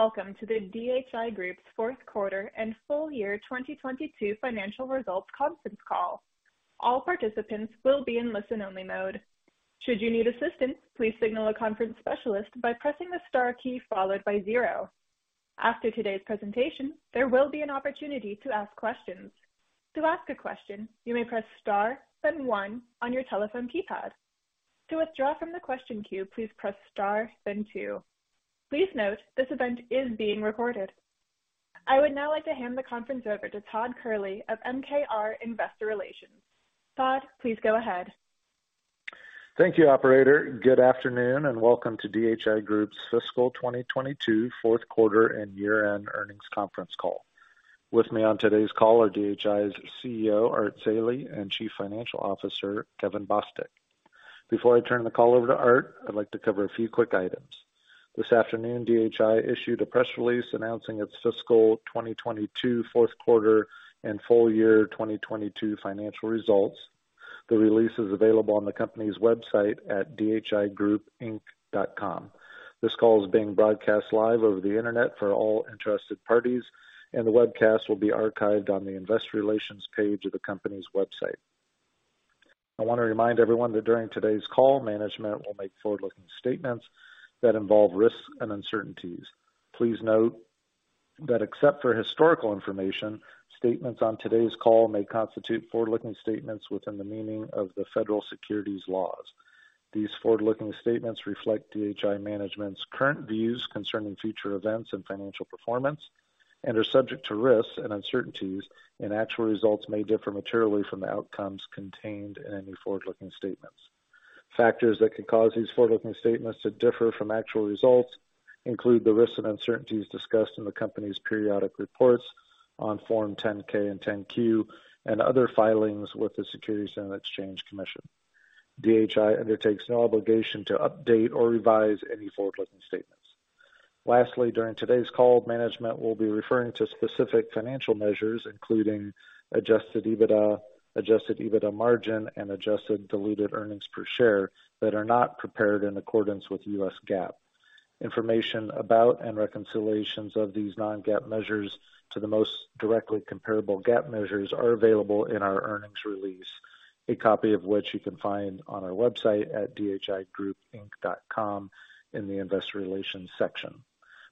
Hello, and welcome to the DHI Group's Fourth Quarter and Full Year 2022 Financial Results Conference Call. All participants will be in listen-only mode. Should you need assistance, please signal a conference specialist by pressing the star key followed by zero. After today's presentation, there will be an opportunity to ask questions. To ask a question, you may press star then one on your telephone keypad. To withdraw from the question queue, please press star then two. Please note, this event is being recorded. I would now like to hand the conference over to Todd Kehrli of MKR Investor Relations. Todd, please go ahead. Thank you, operator. Good afternoon. Welcome to DHI Group's Fiscal 2022 Fourth Quarter and Year-End Earnings Conference Call. With me on today's call are DHI's CEO Art Zeile and Chief Financial Officer Kevin Bostick. Before I turn the call over to Art, I'd like to cover a few quick items. This afternoon, DHI issued a press release announcing its fiscal 2022 fourth quarter and full year 2022 financial results. The release is available on the company's website at dhigroupinc.com. This call is being broadcast live over the Internet for all interested parties, and the webcast will be archived on the investor relations page of the company's website. I wanna remind everyone that during today's call, management will make forward-looking statements that involve risks and uncertainties. Please note that except for historical information, statements on today's call may constitute forward-looking statements within the meaning of the federal securities laws. These forward-looking statements reflect DHI management's current views concerning future events and financial performance and are subject to risks and uncertainties. Actual results may differ materially from the outcomes contained in any forward-looking statements. Factors that could cause these forward-looking statements to differ from actual results include the risks and uncertainties discussed in the company's periodic reports on Form 10-K and Form 10-Q and other filings with the Securities and Exchange Commission. DHI undertakes no obligation to update or revise any forward-looking statements. Lastly, during today's call, management will be referring to specific financial measures including adjusted EBITDA, adjusted EBITDA margin, and adjusted diluted earnings per share that are not prepared in accordance with U.S. GAAP. Information about and reconciliations of these non-GAAP measures to the most directly comparable GAAP measures are available in our earnings release, a copy of which you can find on our website at dhigroupinc.com in the investor relations section.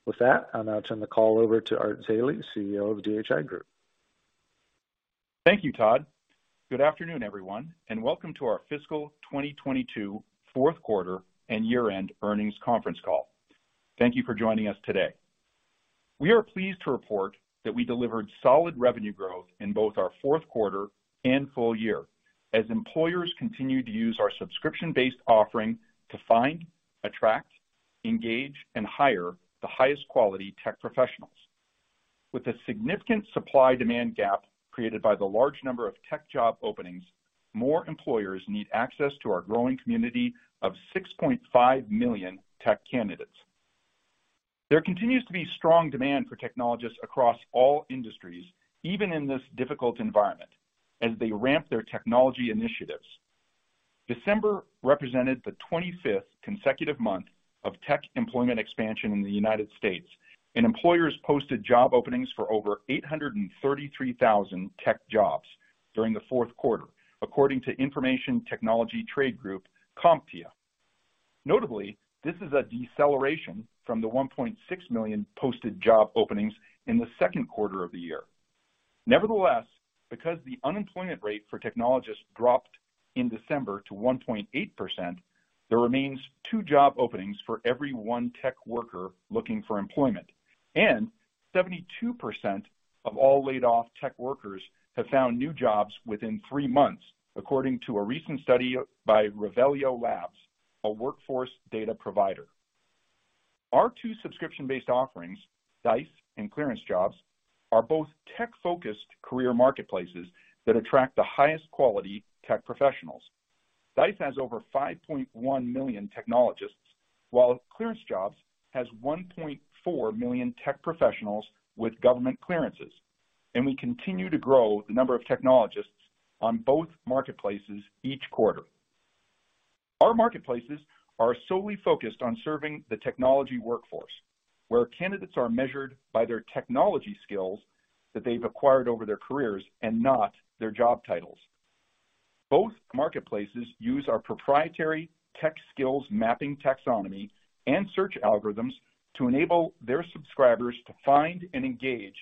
With that, I'll now turn the call over to Art Zeile, CEO of DHI Group. Thank you, Todd. Good afternoon, everyone, and welcome to our fiscal 2022 fourth quarter and year-end earnings conference call. Thank you for joining us today. We are pleased to report that we delivered solid revenue growth in both our fourth quarter and full year as employers continued to use our subscription-based offering to find, attract, engage, and hire the highest quality tech professionals. With a significant supply-demand gap created by the large number of tech job openings, more employers need access to our growing community of 6.5 million tech candidates. There continues to be strong demand for technologists across all industries, even in this difficult environment, as they ramp their technology initiatives. December represented the 25th consecutive month of tech employment expansion in the United States, and employers posted job openings for over 833,000 tech jobs during the fourth quarter, according to information technology trade group CompTIA. Notably, this is a deceleration from the 1.6 million posted job openings in the second quarter of the year. Nevertheless, because the unemployment rate for technologists dropped in December to 1.8%, there remains two job openings for every one tech worker looking for employment, and 72% of all laid off tech workers have found new jobs within three months, according to a recent study by Revelio Labs, a workforce data provider. Our two subscription-based offerings, Dice and ClearanceJobs, are both tech-focused career marketplaces that attract the highest quality tech professionals. Dice has over 5.1 million technologists, while ClearanceJobs has 1.4 million tech professionals with government clearances. We continue to grow the number of technologists on both marketplaces each quarter. Our marketplaces are solely focused on serving the technology workforce, where candidates are measured by their technology skills that they've acquired over their careers and not their job titles. Both marketplaces use our proprietary tech skills mapping taxonomy and search algorithms to enable their subscribers to find and engage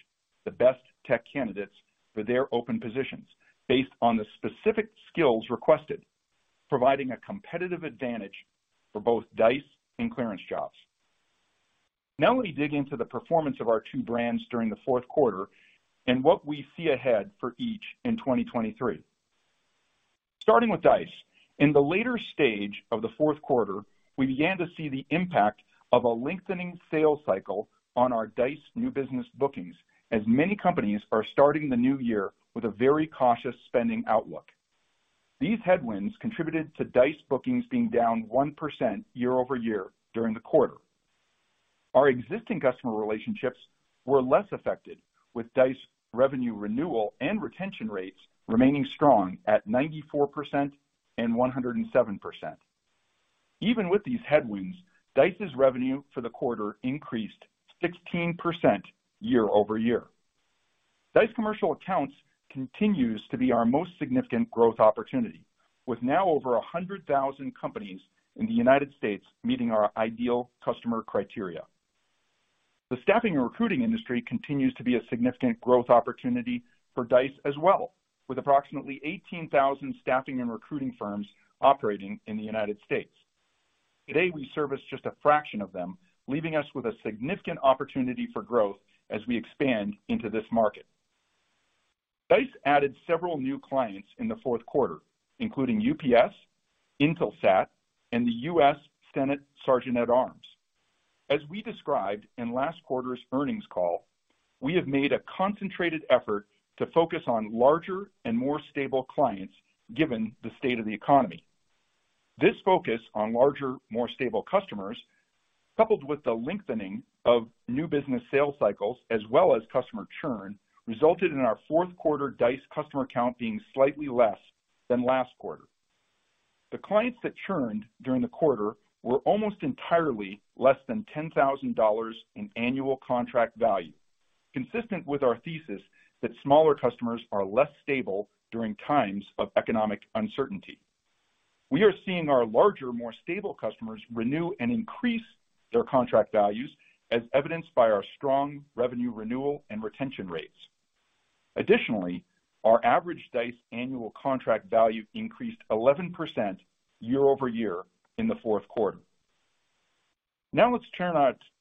the best tech candidates for their open positions based on the specific skills requested, providing a competitive advantage for both Dice and ClearanceJobs. Now let me dig into the performance of our two brands during the fourth quarter and what we see ahead for each in 2023. Starting with Dice. In the later stage of the fourth quarter, we began to see the impact of a lengthening sales cycle on our Dice new business bookings, as many companies are starting the new year with a very cautious spending outlook. These headwinds contributed to Dice bookings being down 1% year-over-year during the quarter. Our existing customer relationships were less affected, with Dice revenue renewal and retention rates remaining strong at 94% and 107%. Even with these headwinds, Dice's revenue for the quarter increased 16% year-over-year. Dice Commercial Accounts continues to be our most significant growth opportunity, with now over 100,000 companies in the United States meeting our ideal customer criteria. The staffing and recruiting industry continues to be a significant growth opportunity for Dice as well, with approximately 18,000 staffing and recruiting firms operating in the United States. Today, we service just a fraction of them, leaving us with a significant opportunity for growth as we expand into this market. Dice added several new clients in the fourth quarter, including UPS, Intelsat, and the U.S. Senate Sergeant at Arms. As we described in last quarter's earnings call, we have made a concentrated effort to focus on larger and more stable clients, given the state of the economy. This focus on larger, more stable customers, coupled with the lengthening of new business sales cycles as well as customer churn, resulted in our fourth quarter Dice customer count being slightly less than last quarter. The clients that churned during the quarter were almost entirely less than $10,000 in annual contract value, consistent with our thesis that smaller customers are less stable during times of economic uncertainty. We are seeing our larger, more stable customers renew and increase their contract values, as evidenced by our strong revenue renewal and retention rates. Our average Dice annual contract value increased 11% year-over-year in the fourth quarter. Let's turn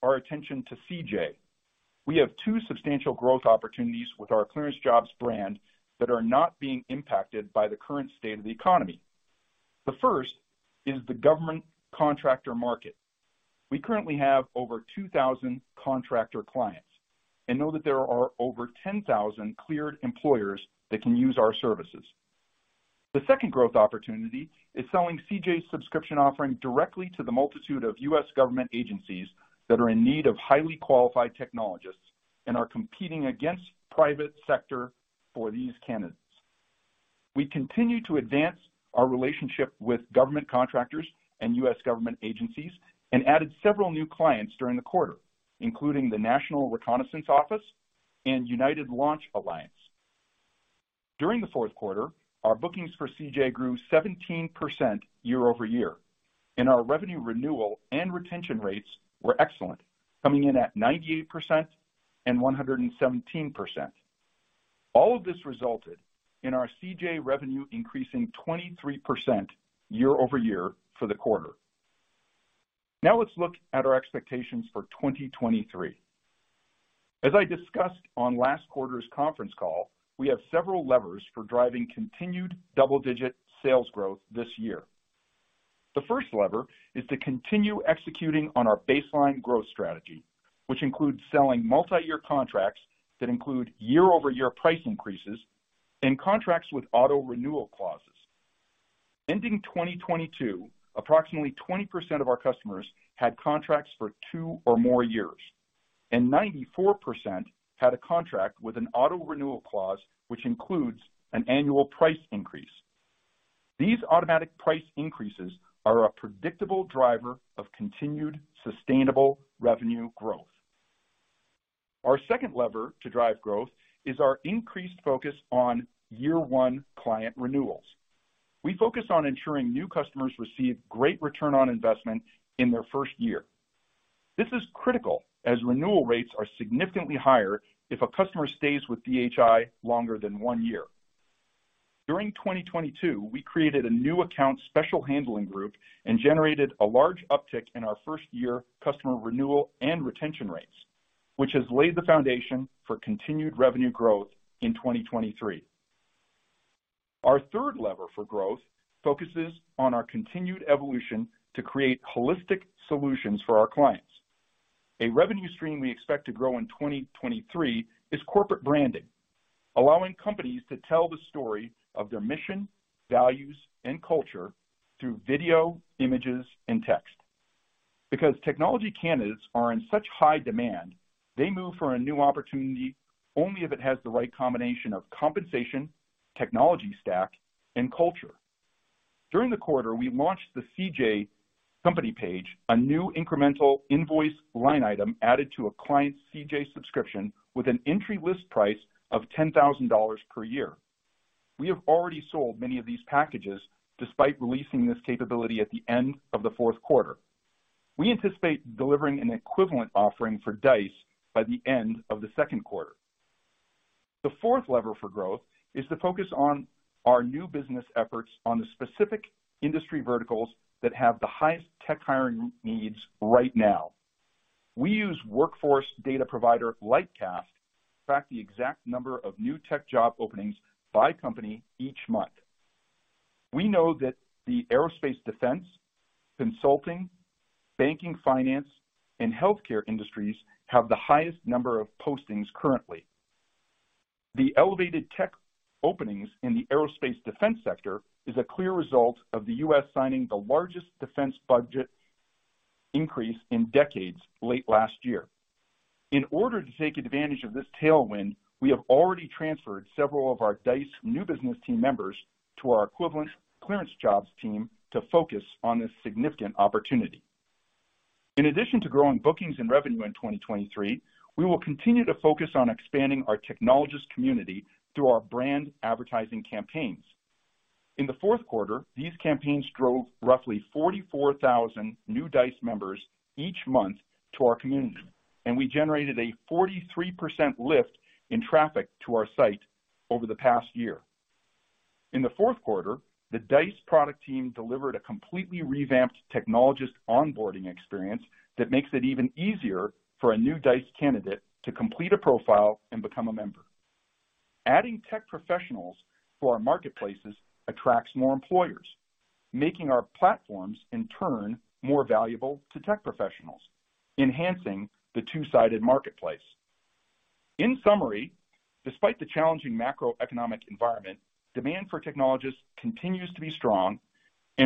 our attention to CJ. We have two substantial growth opportunities with our ClearanceJobs brand that are not being impacted by the current state of the economy. The first is the government contractor market. We currently have over 2,000 contractor clients and know that there are over 10,000 cleared employers that can use our services. The second growth opportunity is selling CJ's subscription offering directly to the multitude of U.S. government agencies that are in need of highly qualified technologists and are competing against private sector for these candidates. We continue to advance our relationship with government contractors and U.S. government agencies and added several new clients during the quarter, including the National Reconnaissance Office and United Launch Alliance. During the fourth quarter, our bookings for CJ grew 17% year-over-year, and our revenue renewal and retention rates were excellent, coming in at 98% and 117%. All of this resulted in our CJ revenue increasing 23% year-over-year for the quarter. Let's look at our expectations for 2023. As I discussed on last quarter's conference call, we have several levers for driving continued double-digit sales growth this year. The first lever is to continue executing on our baseline growth strategy, which includes selling multi-year contracts that include year-over-year price increases and contracts with auto-renewal clauses. Ending 2022, approximately 20% of our customers had contracts for two or more years, and 94% had a contract with an auto-renewal clause, which includes an annual price increase. These automatic price increases are a predictable driver of continued sustainable revenue growth. Our second lever to drive growth is our increased focus on year one client renewals. We focus on ensuring new customers receive great return on investment in their first year. This is critical as renewal rates are significantly higher if a customer stays with DHI longer than one year. During 2022, we created a new account special handling group and generated a large uptick in our first-year customer renewal and retention rates, which has laid the foundation for continued revenue growth in 2023. Our third lever for growth focuses on our continued evolution to create holistic solutions for our clients. A revenue stream we expect to grow in 2023 is corporate branding, allowing companies to tell the story of their mission, values, and culture through video, images, and text. Technology candidates are in such high demand, they move for a new opportunity only if it has the right combination of compensation, technology stack, and culture. During the quarter, we launched the CJ company page, a new incremental invoice line item added to a client's CJ subscription with an entry list price of $10,000 per year. We have already sold many of these packages despite releasing this capability at the end of the fourth quarter. We anticipate delivering an equivalent offering for Dice by the end of the second quarter. The fourth lever for growth is to focus on our new business efforts on the specific industry verticals that have the highest tech hiring needs right now. We use workforce data provider Lightcast to track the exact number of new tech job openings by company each month. We know that the aerospace-defense, consulting, banking finance, and healthcare industries have the highest number of postings currently. The elevated tech openings in the aerospace-defense sector is a clear result of the U.S. signing the largest defense budget-Increase in decades late last year. In order to take advantage of this tailwind, we have already transferred several of our Dice new business team members to our equivalent ClearanceJobs team to focus on this significant opportunity. In addition to growing bookings and revenue in 2023, we will continue to focus on expanding our technologist community through our brand advertising campaigns. In the fourth quarter, these campaigns drove roughly 44,000 new Dice members each month to our community. We generated a 43% lift in traffic to our site over the past year. In the fourth quarter, the Dice product team delivered a completely revamped technologist onboarding experience that makes it even easier for a new Dice candidate to complete a profile and become a member. Adding tech professionals to our marketplaces attracts more employers, making our platforms, in turn, more valuable to tech professionals, enhancing the two-sided marketplace. In summary, despite the challenging macroeconomic environment, demand for technologists continues to be strong.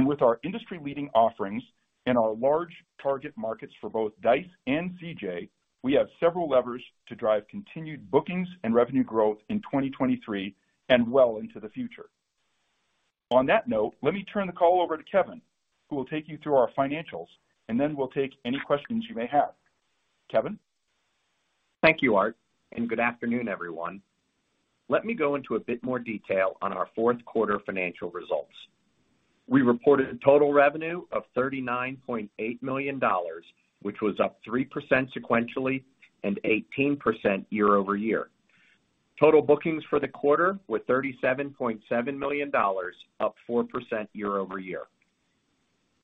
With our industry-leading offerings and our large target markets for both Dice and CJ, we have several levers to drive continued bookings and revenue growth in 2023 and well into the future. On that note, let me turn the call over to Kevin, who will take you through our financials, and then we'll take any questions you may have. Kevin? Thank you, Art, and good afternoon, everyone. Let me go into a bit more detail on our fourth quarter financial results. We reported total revenue of $39.8 million, which was up 3% sequentially and 18% year-over-year. Total bookings for the quarter were $37.7 million, up 4% year-over-year.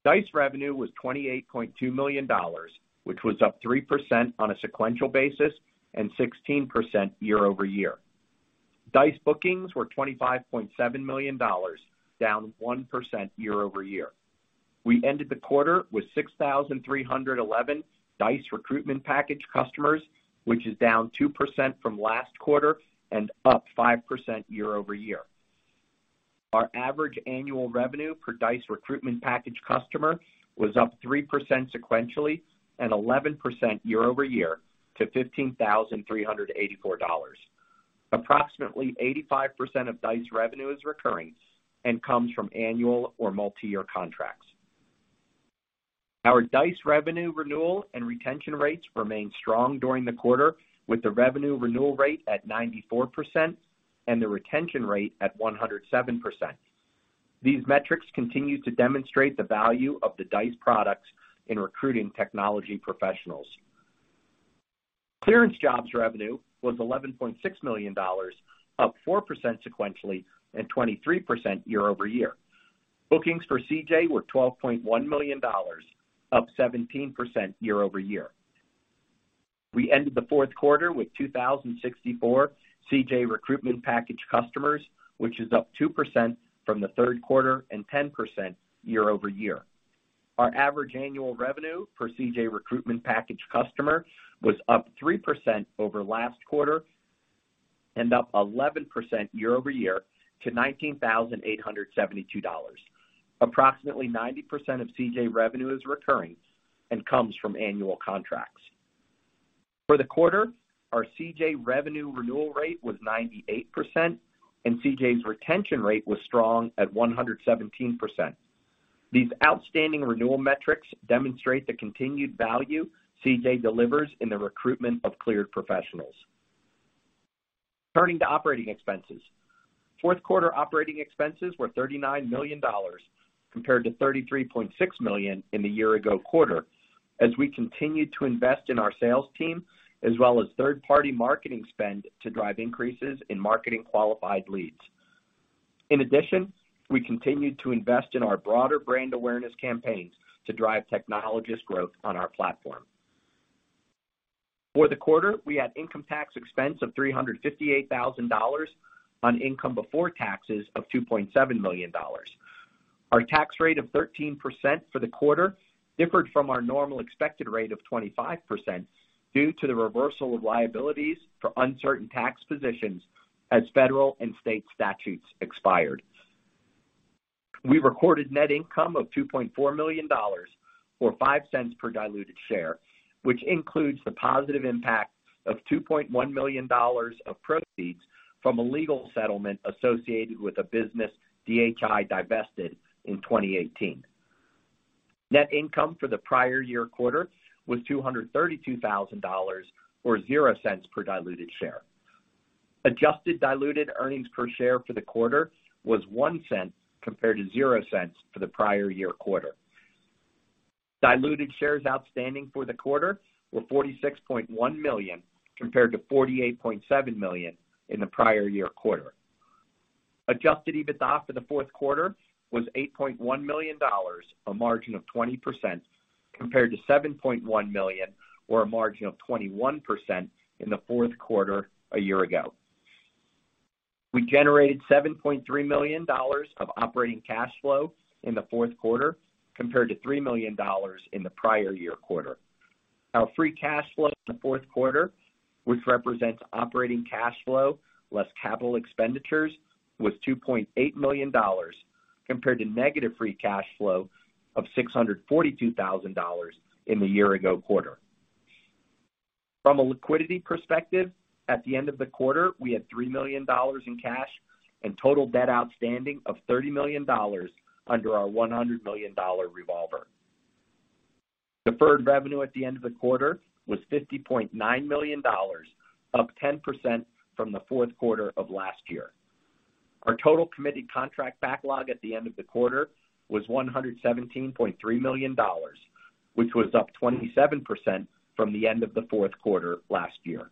Dice revenue was $28.2 million, which was up 3% on a sequential basis and 16% year-over-year. Dice bookings were $25.7 million, down 1% year-over-year. We ended the quarter with 6,311 Dice Recruitment Package customers, which is down 2% from last quarter and up 5% year-over-year. Our average annual revenue per Dice Recruitment Package customer was up 3% sequentially and 11% year-over-year to $15,384. Approximately 85% of Dice revenue is recurring and comes from annual or multiyear contracts. Our Dice revenue renewal and retention rates remained strong during the quarter, with the revenue renewal rate at 94% and the retention rate at 107%. These metrics continue to demonstrate the value of the Dice products in recruiting technology professionals. ClearanceJobs revenue was $11.6 million, up 4% sequentially and 23% year-over-year. Bookings for CJ were $12.1 million, up 17% year-over-year. We ended the fourth quarter with 2,064 CJ Recruitment Package customers, which is up 2% from the third quarter and 10% year-over-year. Our average annual revenue per CJ Recruitment Package customer was up 3% over last quarter and up 11% year-over-year to $19,872. Approximately 90% of CJ revenue is recurring and comes from annual contracts. For the quarter, our CJ revenue renewal rate was 98%, and CJ's retention rate was strong at 117%. These outstanding renewal metrics demonstrate the continued value CJ delivers in the recruitment of cleared professionals. Turning to operating expenses. Fourth quarter operating expenses were $39 million compared to $33.6 million in the year-ago quarter as we continued to invest in our sales team as well as third-party marketing spend to drive increases in marketing qualified leads. We continued to invest in our broader brand awareness campaigns to drive technologist growth on our platform. For the quarter, we had income tax expense of $358,000 on income before taxes of $2.7 million. Our tax rate of 13% for the quarter differed from our normal expected rate of 25% due to the reversal of liabilities for uncertain tax positions as federal and state statutes expired. We recorded net income of $2.4 million, or $0.05 per diluted share, which includes the positive impact of $2.1 million of proceeds from a legal settlement associated with a business DHI divested in 2018. Net income for the prior year quarter was $232,000, or $0.00 per diluted share. Adjusted diluted earnings per share for the quarter was $0.01 compared to $0.00 for the prior year quarter. Diluted shares outstanding for the quarter were 46.1 million compared to 48.7 million in the prior-year quarter. adjusted EBITDA for the fourth quarter was $8.1 million, a margin of 20%, compared to $7.1 million or a margin of 21% in the fourth quarter a year ago. We generated $7.3 million of operating cash flow in the fourth quarter compared to $3 million in the prior-year quarter. Our free cash flow in the fourth quarter, which represents operating cash flow less capital expenditures, was $2.8 million compared to negative free cash flow of $642,000 in the year-ago quarter. From a liquidity perspective, at the end of the quarter, we had $3 million in cash and total debt outstanding of $30 million under our $100 million revolver. Deferred revenue at the end of the quarter was $50.9 million, up 10% from the fourth quarter of last year. Our total committed contract backlog at the end of the quarter was $117.3 million, which was up 27% from the end of the fourth quarter last year.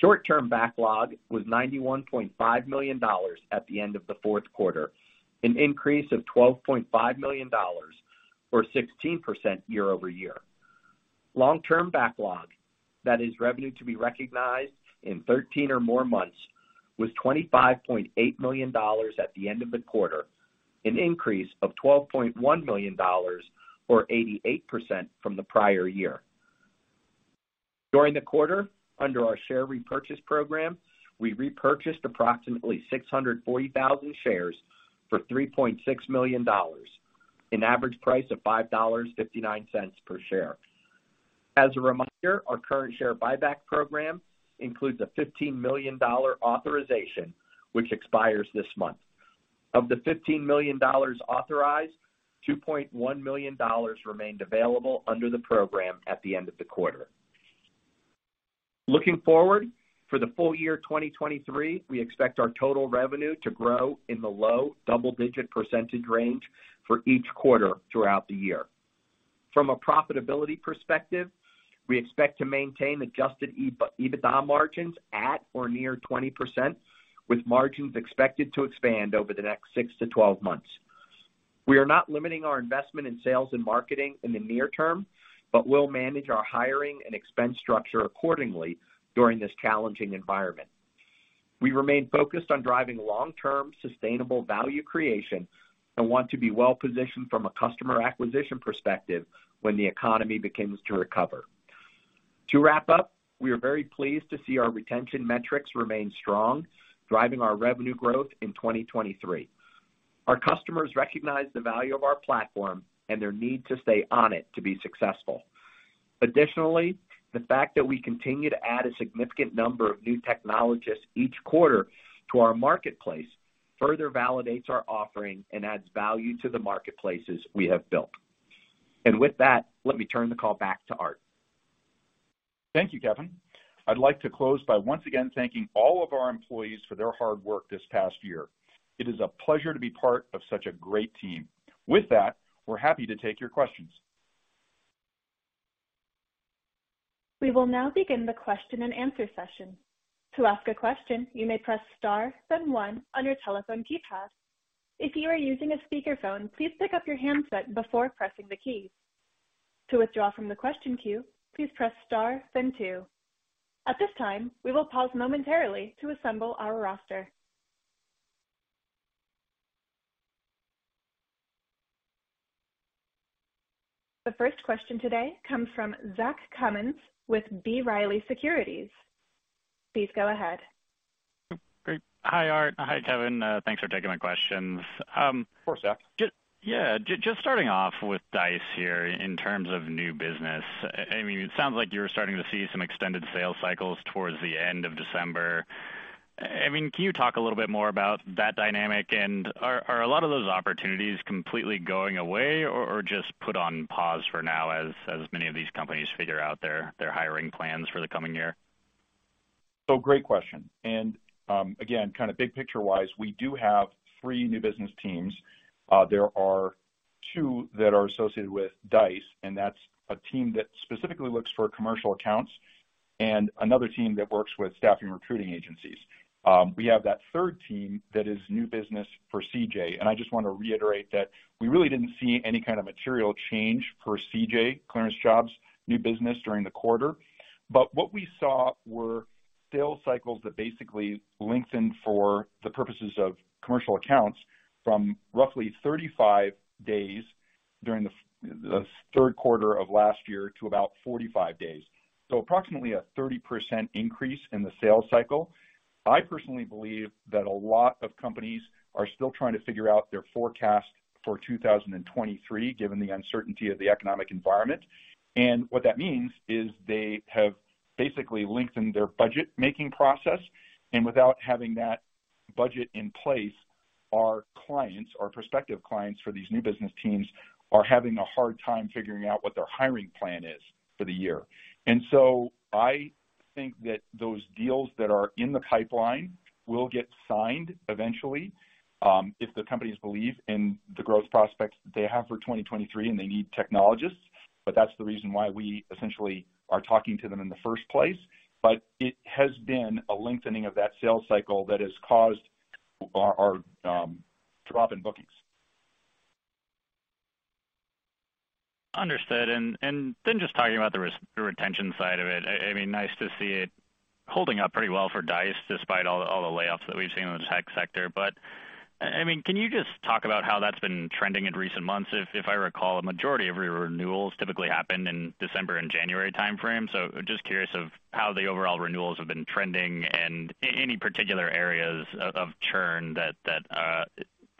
Short-term backlog was $91.5 million at the end of the fourth quarter, an increase of $12.5 million or 16% year-over-year. Long-term backlog, that is revenue to be recognized in 13 or more months, was $25.8 million at the end of the quarter, an increase of $12.1 million or 88% from the prior year. During the quarter, under our share repurchase program, we repurchased approximately 640,000 shares for $3.6 million, an average price of $5.59 per share. As a reminder, our current share buyback program includes a $15 million authorization which expires this month. Of the $15 million authorized, $2.1 million remained available under the program at the end of the quarter. Looking forward, for the full year 2023, we expect our total revenue to grow in the low double-digit percentage range for each quarter throughout the year. From a profitability perspective, we expect to maintain adjusted EBITDA margins at or near 20%, with margins expected to expand over the next six to 12 months. We are not limiting our investment in sales and marketing in the near term, we'll manage our hiring and expense structure accordingly during this challenging environment. We remain focused on driving long-term sustainable value creation and want to be well positioned from a customer acquisition perspective when the economy begins to recover. To wrap up, we are very pleased to see our retention metrics remain strong, driving our revenue growth in 2023. Our customers recognize the value of our platform and their need to stay on it to be successful. Additionally, the fact that we continue to add a significant number of new technologists each quarter to our marketplace further validates our offering and adds value to the marketplaces we have built. With that, let me turn the call back to Art. Thank you, Kevin. I'd like to close by once again thanking all of our employees for their hard work this past year. It is a pleasure to be part of such a great team. With that, we're happy to take your questions. We will now begin the question-and-answer session. To ask a question, you may press star then one on your telephone keypad. If you are using a speakerphone, please pick up your handset before pressing the key. To withdraw from the question queue, please press star then two. At this time, we will pause momentarily to assemble our roster. The first question today comes from Zach Cummins with B. Riley Securities. Please go ahead. Great. Hi, Art. Hi, Kevin. Thanks for taking my questions. Of course, Zach. Yeah, just starting off with Dice here in terms of new business. I mean, it sounds like you're starting to see some extended sales cycles towards the end of December. I mean, can you talk a little bit more about that dynamic? Are a lot of those opportunities completely going away or just put on pause for now as many of these companies figure out their hiring plans for the coming year? Great question. Again, kind of big picture-wise, we do have three new business teams. There are two that are associated with Dice, and that's a team that specifically looks for commercial accounts and another team that works with staffing recruiting agencies. We have that third team that is new business for CJ. I just want to reiterate that we really didn't see any kind of material change for CJ, ClearanceJobs new business during the quarter. What we saw were sales cycles that basically lengthened for the purposes of commercial accounts from roughly 35 days during the third quarter of last year to about 45 days. Approximately a 30% increase in the sales cycle. I personally believe that a lot of companies are still trying to figure out their forecast for 2023, given the uncertainty of the economic environment. What that means is they have basically lengthened their budget-making process. Without having that budget in place, our clients or prospective clients for these new business teams are having a hard time figuring out what their hiring plan is for the year. I think that those deals that are in the pipeline will get signed eventually, if the companies believe in the growth prospects that they have for 2023 and they need technologists, but that's the reason why we essentially are talking to them in the first place. It has been a lengthening of that sales cycle that has caused our drop in bookings. Understood. Then just talking about the retention side of it, I mean, nice to see it holding up pretty well for Dice despite all the layoffs that we've seen in the tech sector. I mean, can you just talk about how that's been trending in recent months? If I recall, a majority of your renewals typically happen in December and January timeframe. Just curious of how the overall renewals have been trending and any particular areas of churn that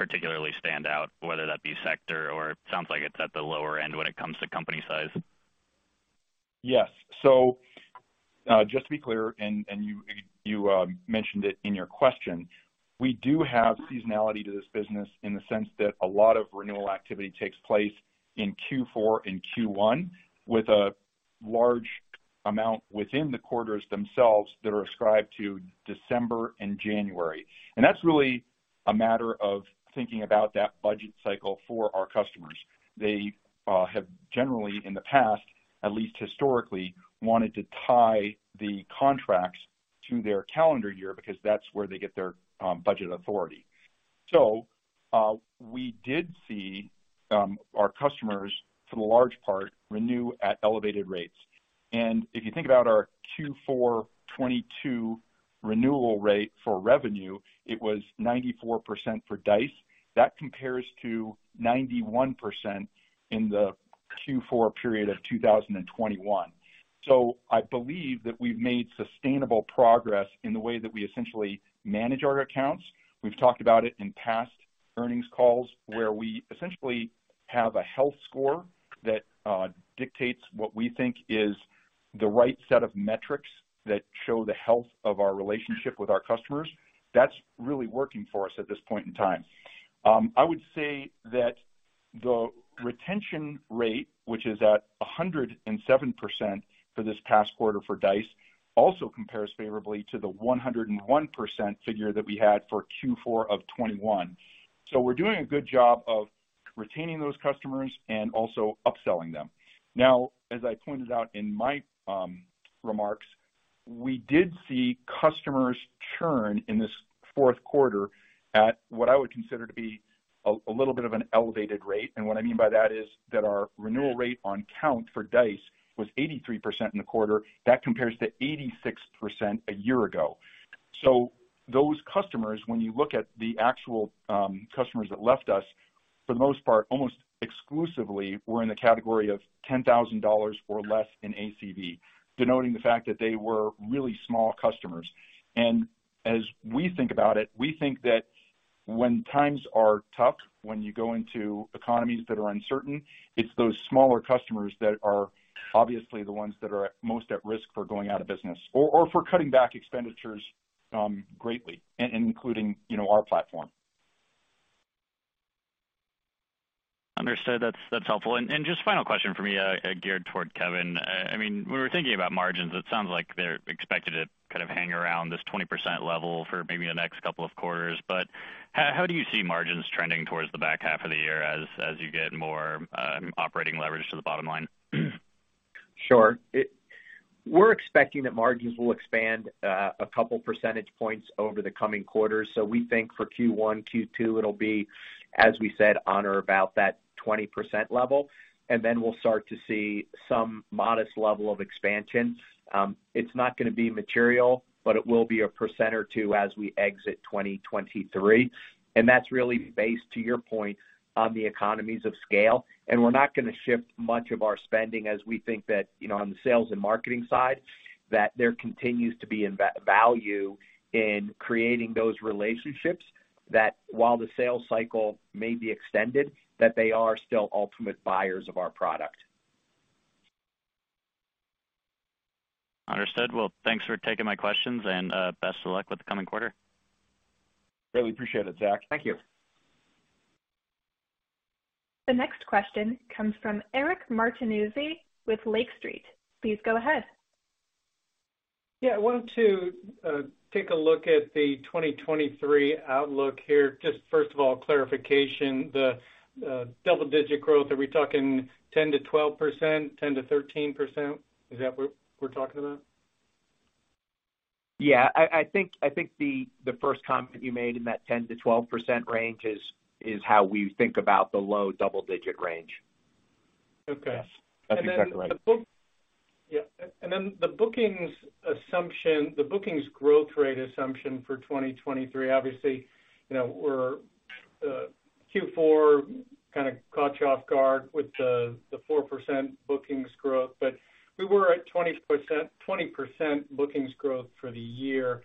particularly stand out, whether that be sector or sounds like it's at the lower end when it comes to company size. Yes. Just to be clear, you mentioned it in your question, we do have seasonality to this business in the sense that a lot of renewal activity takes place in Q4 and Q1, with a large amount within the quarters themselves that are ascribed to December and January. That's really a matter of thinking about that budget cycle for our customers. They have generally in the past, at least historically, wanted to tie the contracts to their calendar year because that's where they get their budget authority. We did see our customers, for the large part, renew at elevated rates. If you think about our Q4 '22 renewal rate for revenue, it was 94% for Dice. That compares to 91% in the Q4 period of 2021. I believe that we've made sustainable progress in the way that we essentially manage our accounts. We've talked about it in past earnings calls, where we essentially have a health score that dictates what we think is the right set of metrics that show the health of our relationship with our customers. That's really working for us at this point in time. I would say that the retention rate, which is at 107% for this past quarter for Dice, also compares favorably to the 101% figure that we had for Q4 2021. We're doing a good job of retaining those customers and also upselling them. As I pointed out in my remarks, we did see customers churn in this fourth quarter at what I would consider to be a little bit of an elevated rate. What I mean by that is that our renewal rate on count for Dice was 83% in the quarter. That compares to 86% a year ago. Those customers, when you look at the actual customers that left us, for the most part, almost exclusively were in the category of $10,000 or less in ACV, denoting the fact that they were really small customers. As we think about it, we think that when times are tough, when you go into economies that are uncertain, it's those smaller customers that are obviously the ones that are at most at risk for going out of business or for cutting back expenditures greatly, including, you know, our platform. Understood. That's helpful. Just final question for me, geared toward Kevin. I mean, when we're thinking about margins, it sounds like they're expected to kind of hang around this 20% level for maybe the next couple of quarters. How do you see margins trending towards the back half of the year as you get more operating leverage to the bottom line? Sure. We're expecting that margins will expand a couple percentage points over the coming quarters. We think for Q1, Q2, it'll be, as we said, on or about that 20% level, and then we'll start to see some modest level of expansion. It's not gonna be material, but it will be a percent or 2 as we exit 2023. That's really based, to your point, on the economies of scale. We're not gonna shift much of our spending as we think that, you know, on the sales and marketing side, that there continues to be value in creating those relationships, that while the sales cycle may be extended, that they are still ultimate buyers of our product. Understood. Well, thanks for taking my questions, and best of luck with the coming quarter. Really appreciate it, Zach. Thank you. The next question comes from Eric Martinuzzi with Lake Street. Please go ahead. I want to take a look at the 2023 outlook here. Just first of all, clarification, the double-digit growth, are we talking 10%-12%, 10%-13%? Is that what we're talking about? Yeah. I think the first comment you made in that 10%-12% range is how we think about the low double-digit range. Okay. Yeah. That's exactly right. Yeah. The bookings growth rate assumption for 2023, obviously, you know, we're Q4 kind of caught you off guard with the 4% bookings growth. We were at 20% bookings growth for the year.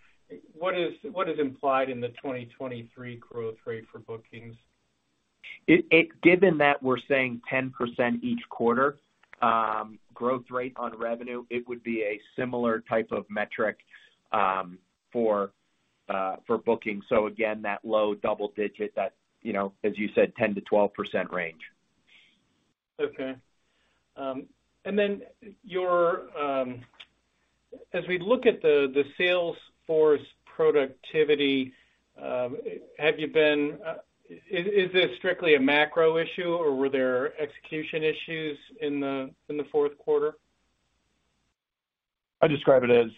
What is implied in the 2023 growth rate for bookings? Given that we're saying 10% each quarter, growth rate on revenue, it would be a similar type of metric, for bookings. Again, that low double digit that, you know, as you said, 10%-12% range. Okay. As we look at the sales force productivity, have you been, Is this strictly a macro issue, or were there execution issues in the fourth quarter? I describe it as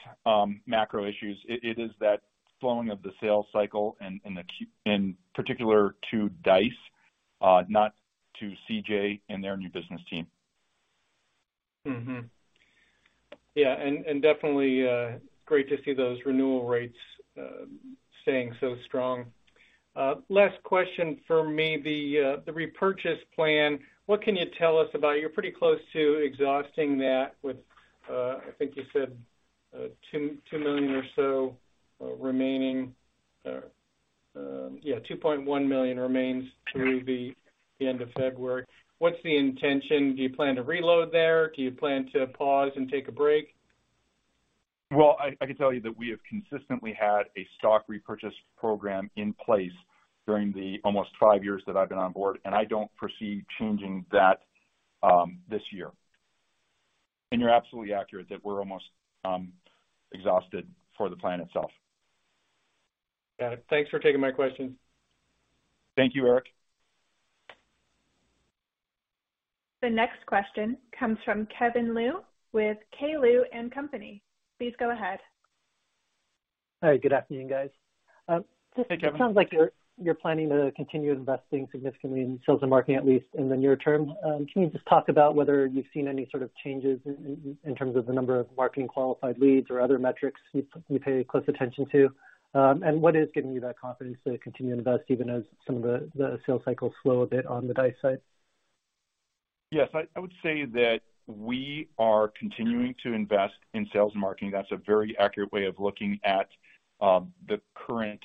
macro issues. It is that slowing of the sales cycle and the in particular to Dice, not to CJ and their new business team. Yeah, and definitely, great to see those renewal rates staying so strong. Last question for me, the repurchase plan, what can you tell us about? You're pretty close to exhausting that with, I think you said, $2 million or so remaining. Yeah, $2.1 million remains through the end of February. What's the intention? Do you plan to reload there? Do you plan to pause and take a break? Well, I can tell you that we have consistently had a stock repurchase program in place during the almost five years that I've been on board, and I don't foresee changing that this year. You're absolutely accurate that we're almost exhausted for the plan itself. Got it. Thanks for taking my question. Thank you, Eric. The next question comes from Kevin Liu with K. Liu & Company. Please go ahead. Hi. Good afternoon, guys. Hey, Kevin. It sounds like you're planning to continue investing significantly in sales and marketing, at least in the near term. Can you just talk about whether you've seen any sort of changes in terms of the number of marketing qualified leads or other metrics you pay close attention to? What is giving you that confidence to continue to invest even as some of the sales cycles slow a bit on the Dice side? Yes. I would say that we are continuing to invest in sales and marketing. That's a very accurate way of looking at the current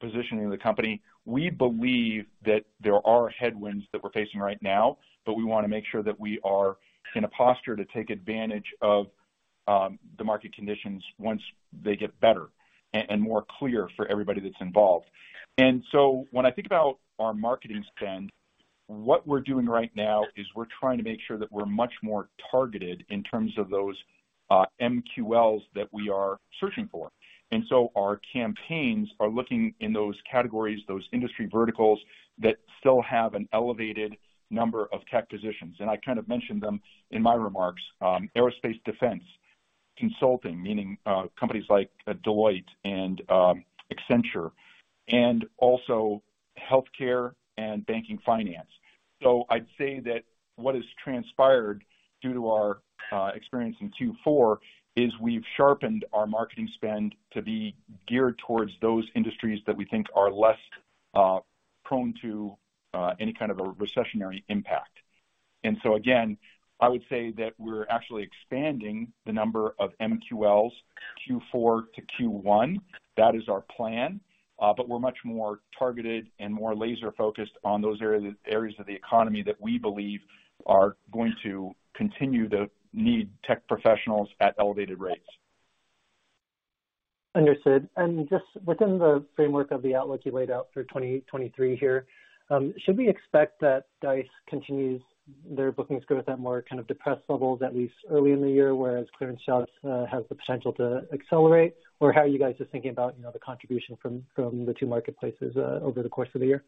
positioning of the company. We believe that there are headwinds that we're facing right now, but we wanna make sure that we are in a posture to take advantage of the market conditions once they get better and more clear for everybody that's involved. When I think about our marketing spend, what we're doing right now is we're trying to make sure that we're much more targeted in terms of those MQLs that we are searching for. Our campaigns are looking in those categories, those industry verticals that still have an elevated number of tech positions. I kind of mentioned them in my remarks, aerospace-defense, consulting, meaning, companies like Deloitte and Accenture, and also healthcare and banking finance. I'd say that what has transpired due to our experience in Q4 is we've sharpened our marketing spend to be geared towards those industries that we think are less prone to any kind of a recessionary impact. Again, I would say that we're actually expanding the number of MQLs Q4 to Q1. That is our plan. We're much more targeted and more laser-focused on those areas of the economy that we believe are going to continue to need tech professionals at elevated rates. Understood. Just within the framework of the outlook you laid out for 2023 here, should we expect that Dice continues their bookings growth at that more kind of depressed levels at least early in the year, whereas ClearanceJobs has the potential to accelerate? How are you guys just thinking about, you know, the contribution from the two marketplaces over the course of the year?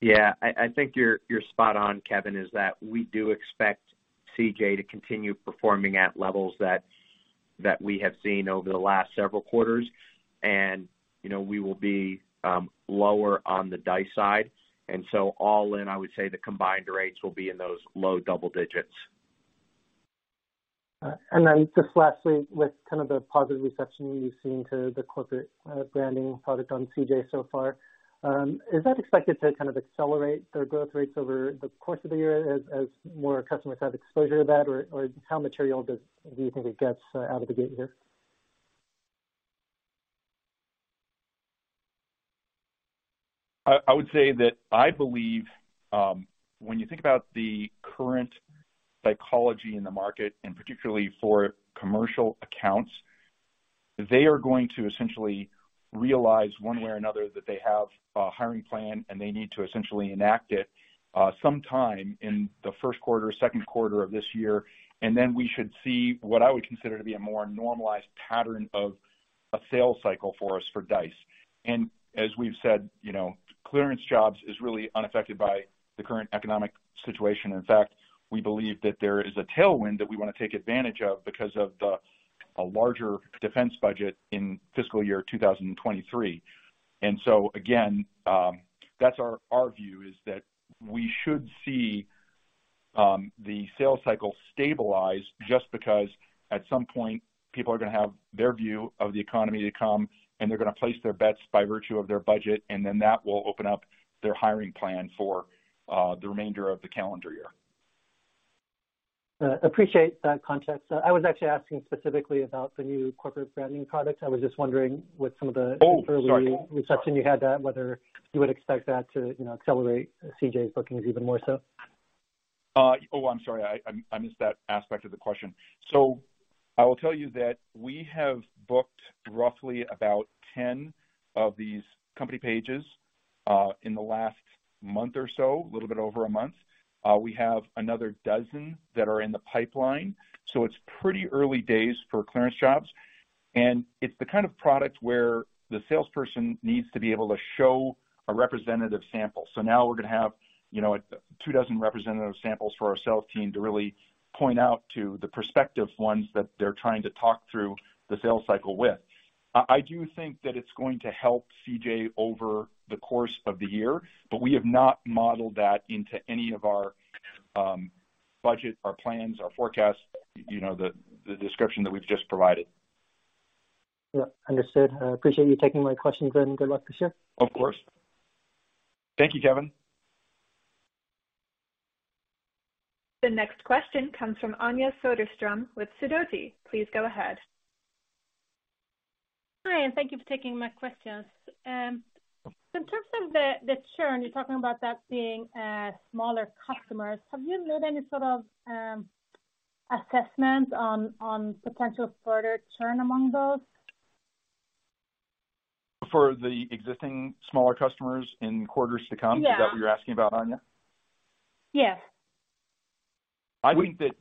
Yeah. I think you're spot on, Kevin, is that we do expect CJ to continue performing at levels that we have seen over the last several quarters. You know, we will be lower on the Dice side. All in, I would say the combined rates will be in those low double digits. All right. Just lastly, with kind of the positive reception you've seen to the corporate branding product on CJ so far, is that expected to kind of accelerate their growth rates over the course of the year as more customers have exposure to that? How material do you think it gets out of the gate here? I would say that I believe, when you think about the current psychology in the market, particularly for commercial accounts, they are going to essentially realize one way or another that they have a hiring plan, and they need to essentially enact it sometime in the first quarter, second quarter of this year. We should see what I would consider to be a more normalized pattern of a sales cycle for us for Dice. As we've said, you know, ClearanceJobs is really unaffected by the current economic situation. In fact, we believe that there is a tailwind that we wanna take advantage of because of the, a larger defense budget in fiscal year 2023. Again, that's our view, is that we should see, the sales cycle stabilize just because at some point people are gonna have their view of the economy to come, and they're gonna place their bets by virtue of their budget, and then that will open up their hiring plan for, the remainder of the calendar year. Appreciate that context. I was actually asking specifically about the new corporate branding product. I was just wondering. Oh, sorry. Early reception you had that, whether you would expect that to, you know, accelerate CJ's bookings even more so. Oh, I'm sorry. I missed that aspect of the question. I will tell you that we have booked roughly about 10 of these Company Pages in the last month or so, a little bit over a month. We have another dozen that are in the pipeline. It's pretty early days for ClearanceJobs, and it's the kind of product where the salesperson needs to be able to show a representative sample. Now we're gonna have, you know, two dozen representative samples for our sales team to really point out to the prospective ones that they're trying to talk through the sales cycle with. I do think that it's going to help CJ over the course of the year, but we have not modeled that into any of our budget, our plans, our forecasts, you know, the description that we've just provided. Yeah, understood. I appreciate you taking my questions and good luck this year. Of course. Thank you, Kevin. The next question comes from Anja Soderstrom with Sidoti. Please go ahead. Hi, and thank you for taking my questions. In terms of the churn, you're talking about that being smaller customers. Have you made any sort of assessments on potential further churn among those? For the existing smaller customers in quarters to come? Yeah. Is that what you're asking about, Anja? Yes. I think that,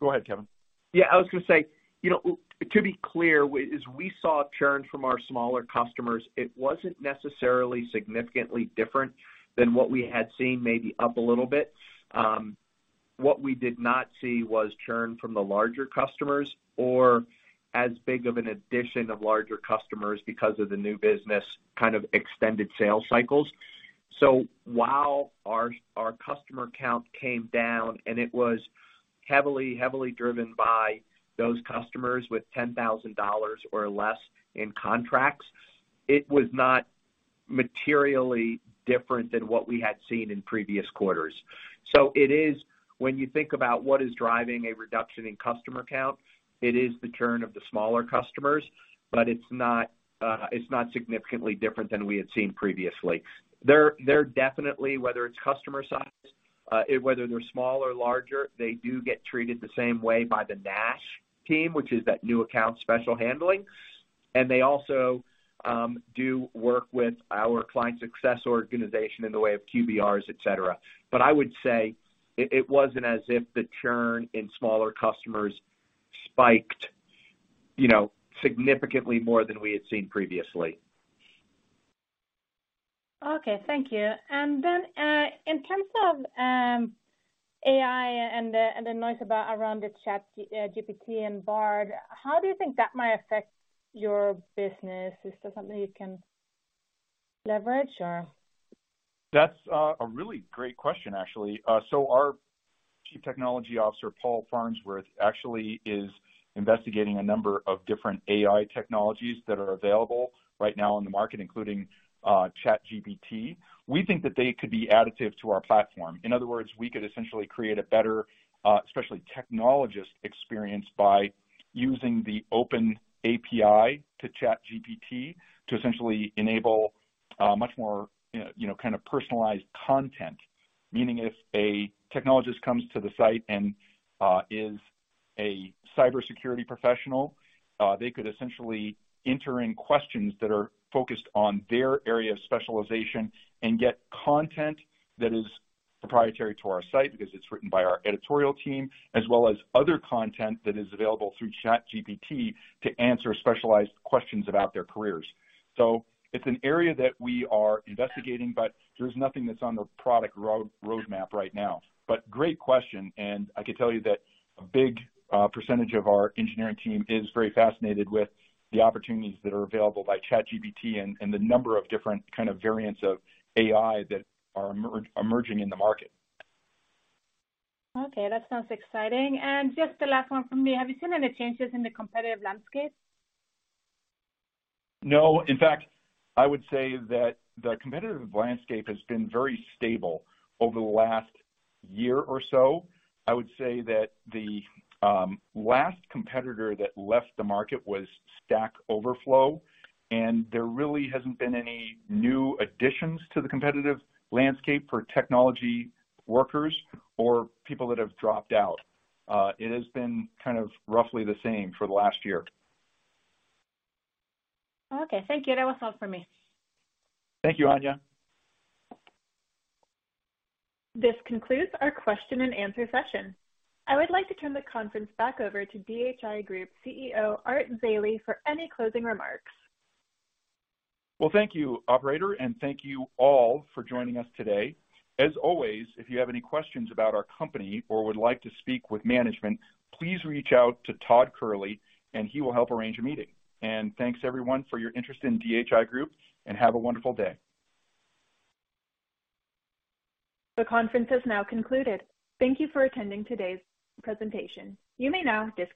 Go ahead, Kevin. Yeah, I was gonna say, you know, to be clear, as we saw churn from our smaller customers, it wasn't necessarily significantly different than what we had seen, maybe up a little bit. What we did not see was churn from the larger customers or as big of an addition of larger customers because of the new business kind of extended sales cycles. While our customer count came down and it was heavily driven by those customers with $10,000 or less in contracts, it was not materially different than what we had seen in previous quarters. When you think about what is driving a reduction in customer count, it is the churn of the smaller customers, but it's not significantly different than we had seen previously. They're definitely, whether it's customer size, whether they're small or larger, they do get treated the same way by the NASH team, which is that New Account Special Handling. They also do work with our client success organization in the way of QBRs, et cetera. I would say it wasn't as if the churn in smaller customers spiked, you know, significantly more than we had seen previously. Okay. Thank you. Then, in terms of AI and the noise around the ChatGPT and Bard, how do you think that might affect your business? Is that something you can leverage or? That's a really great question, actually. Our Chief Technology Officer, Paul Farnsworth, actually is investigating a number of different AI technologies that are available right now in the market, including ChatGPT. We think that they could be additive to our platform. In other words, we could essentially create a better, especially technologist experience by using the OpenAI to ChatGPT to essentially enable much more, you know, kind of personalized content. Meaning, if a technologist comes to the site and is a cybersecurity professional, they could essentially enter in questions that are focused on their area of specialization and get content that is proprietary to our site because it's written by our editorial team, as well as other content that is available through ChatGPT to answer specialized questions about their careers. It's an area that we are investigating, but there's nothing that's on the product roadmap right now. Great question, and I can tell you that a big percentage of our engineering team is very fascinated with the opportunities that are available by ChatGPT and the number of different kind of variants of AI that are emerging in the market. Okay. That sounds exciting. Just the last one from me. Have you seen any changes in the competitive landscape? No. In fact, I would say that the competitive landscape has been very stable over the last year or so. I would say that the last competitor that left the market was Stack Overflow. There really hasn't been any new additions to the competitive landscape for technology workers or people that have dropped out. It has been kind of roughly the same for the last year. Okay. Thank you. That was all for me. Thank you, Anja. This concludes our question and answer session. I would like to turn the conference back over to DHI Group CEO, Art Zeile, for any closing remarks. Well, thank you, operator. Thank you all for joining us today. As always, if you have any questions about our company or would like to speak with management, please reach out to Todd Kehrli. He will help arrange a meeting. Thanks everyone for your interest in DHI Group, and have a wonderful day. The conference has now concluded. Thank you for attending today's presentation. You may now disconnect.